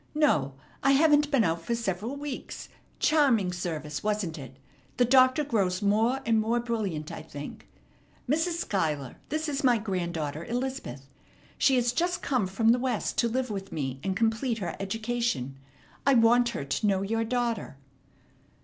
No, I haven't been out for several weeks. Charming service, wasn't it? The Doctor grows more and more brilliant, I think. Mrs. Schuyler, this is my granddaughter, Elizabeth. She has just come from the West to live with me and complete her education. I want her to know your daughter."